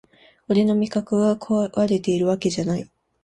俺の味覚がこわれてるわけじゃない